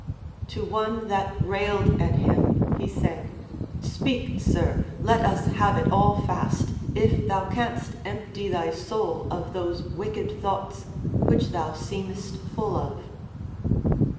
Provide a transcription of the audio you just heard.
To one that railed at him he said, Speak, sir, let us have it all fast, if thou canst empty thy soul of those wicked thoughts which thou seemest full of.